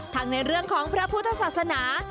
ในเรื่องของพระพุทธศาสนา